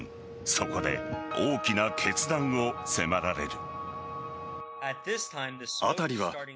そこで大きな決断を迫られる。